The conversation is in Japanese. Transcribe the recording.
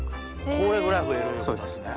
これぐらい増えるいうことなんですね？